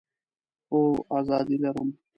هو، آزادي لرم